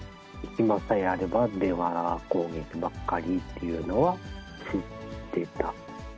暇さえあれば、電話攻撃ばっかりっていうのは、知ってた。